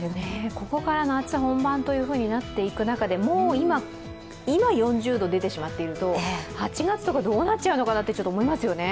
ここからの暑さ本番となっていく中でもう今、４０度出てしまっていると８月とかどうなっちゃうのかなと思いますよね。